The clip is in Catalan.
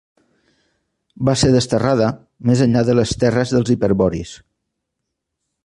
Va ser desterrada més enllà de les terres dels hiperboris.